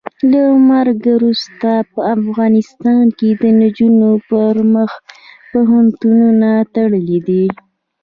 له مرګه وروسته په افغانستان کې د نجونو پر مخ پوهنتونونه تړلي دي.